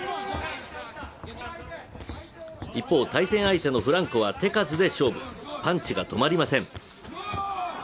一方、対戦相手のフランコは手数で勝負、パンチが止まりません。